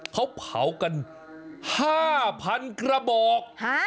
เขาเผากัน๕๐๐๐กระบอก